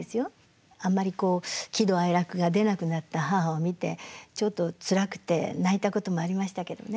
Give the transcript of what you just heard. あんまりこう喜怒哀楽が出なくなった母を見てちょっとつらくて泣いたこともありましたけどね。